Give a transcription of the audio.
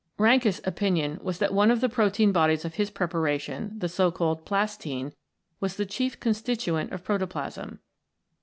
Reinke's opinion was that one of the protein bodies of his preparation, the so called Plastine, was the chief constituent of protoplasm.